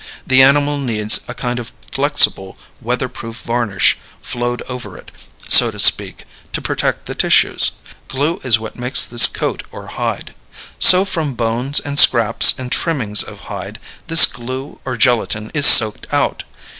The animal needs a kind of flexible, weather proof varnish flowed over it, so to speak, to protect the tissues. Glue is what makes this coat or hide. So from bones and scraps and trimmings of hide this glue or gelatin is soaked out.